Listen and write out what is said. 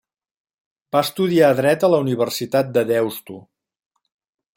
Va estudiar Dret a la Universitat de Deusto.